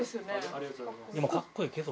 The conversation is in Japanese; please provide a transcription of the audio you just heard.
ありがとうございます。